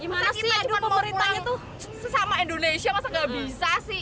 gimana sih pemerintahnya tuh sesama indonesia masa nggak bisa sih